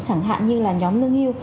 chẳng hạn như là nhóm lương yêu